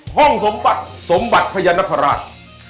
ห้องสมบัติสมบัติพญานคราช